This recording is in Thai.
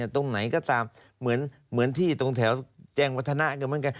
ตรงไหนก็ตามตรงแถวแจงวัฒนา